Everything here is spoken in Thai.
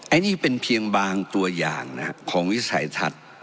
อันนี้เป็นเพียงบางตัวอย่างของวิสัยทัศน์